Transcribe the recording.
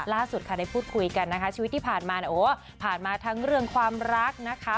ล่าสุดค่ะได้พูดคุยกันนะคะชีวิตที่ผ่านมาเนี่ยโอ้ผ่านมาทั้งเรื่องความรักนะคะ